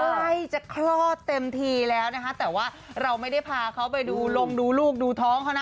ใครจะเครื่องเต็มทีละตัวแต่ว่าเราไม่ได้พาเขาไปดูลงดูลูกดูท้องแบบนี้